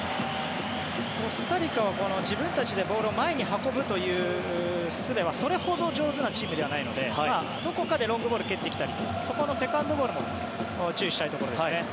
コスタリカは自分たちでボールを前に運ぶというすべはそれほど上手なチームではないのでどこかでロングボールを蹴ってきたりそこのセカンドボールも注意したいところですね。